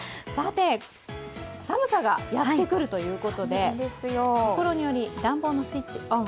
寒さがやってくるということで所により暖房のスイッチオン。